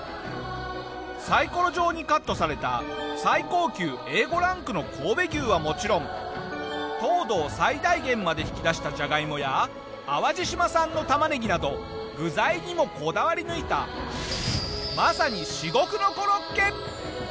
サイコロ状にカットされた最高級Ａ５ランクの神戸牛はもちろん糖度を最大限まで引き出したジャガイモや淡路島産の玉ねぎなど具材にもこだわり抜いたまさに至極のコロッケ！